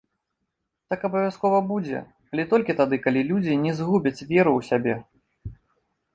Так абавязкова будзе, але толькі тады, калі людзі не згубяць веру ў сябе.